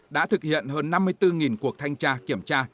đã thực hiện hơn năm mươi bốn cuộc thanh tra kiểm tra